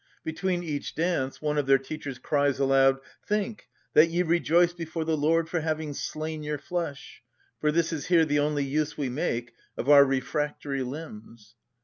Between each dance one of their teachers cries aloud, "Think, that ye rejoice before the Lord for having slain your flesh; for this is here the only use we make of our refractory limbs."